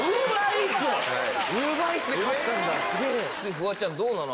フワちゃんどうなの？